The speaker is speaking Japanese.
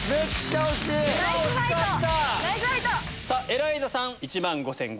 エライザさん１万５５００円。